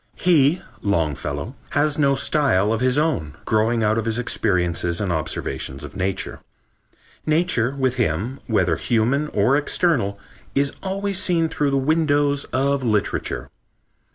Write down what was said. He (Longfellow) has no style of his own, growing out of his experiences and observations of nature. Nature with him, whether human or external, is always seen through the windows of literature....